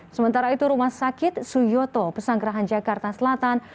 sementara itu rumah sakit suyoto pesanggerahan jakarta selatan